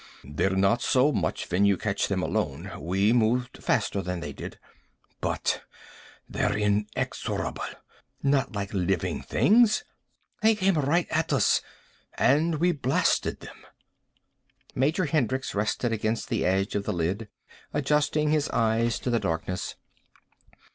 "They're not so much when you catch them alone. We moved faster than they did. But they're inexorable. Not like living things. They came right at us. And we blasted them." Major Hendricks rested against the edge of the lid, adjusting his eyes to the darkness.